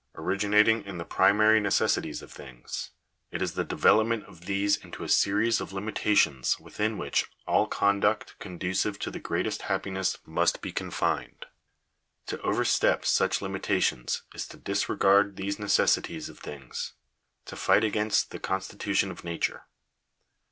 Originating in the primary necessities of things, it is the development of these into a series of limitations within which all conduct conducive to the greatest happiness must be confined. To overstep such limitations is to disregard these necessities of things — to fight against the constitution of nature.